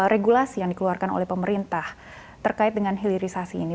regulasi yang dikeluarkan oleh pemerintah terkait dengan hilirisasi ini